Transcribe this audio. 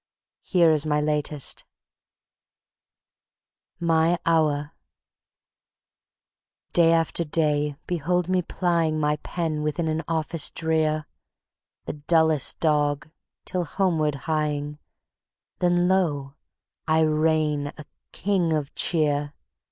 Here is my latest: My Hour Day after day behold me plying My pen within an office drear; The dullest dog, till homeward hieing, Then lo! I reign a king of cheer.